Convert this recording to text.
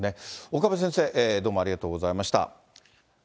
岡部先生、ありがとうございました。